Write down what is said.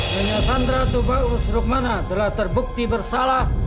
nenek sandra tubagus rukmana telah terbukti bersalah